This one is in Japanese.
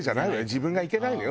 自分がいけないのよ